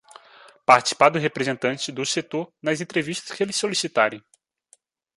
Participar dos representantes do setor nas entrevistas que eles solicitarem.